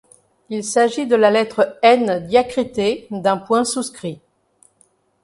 Il s'agit de la lettre N diacritée d'un point souscrit.